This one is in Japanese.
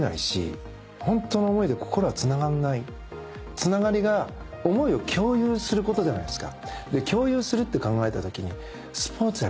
つながりが思いを共有することじゃないですか。